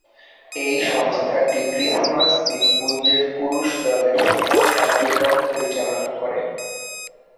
এই সংস্থাটি ক্রিসমাস দ্বীপপুঞ্জের পুরুষ দলের সকল কার্যক্রম পরিচালনা করে।